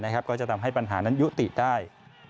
ก็จะทำให้ปัญหานั้นยุติได้